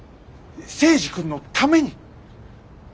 征二君のために。